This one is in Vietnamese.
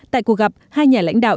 tại cuộc gặp hai nhà lãnh đạo